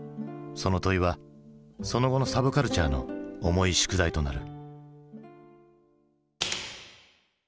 その問いはその後のサブカルチャーの重い宿題となる。